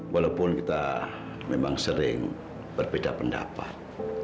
walaupun kita memang sering berbeda pendapat